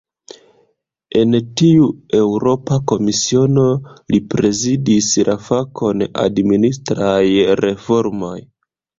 En tiu Eŭropa Komisiono, li prezidis la fakon "administraj reformoj".